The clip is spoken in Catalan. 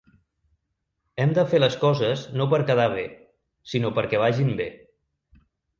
Hem de fer les coses no per quedar bé, sinó perquè vagin bé.